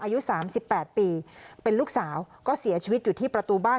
อายุ๓๘ปีเป็นลูกสาวก็เสียชีวิตอยู่ที่ประตูบ้าน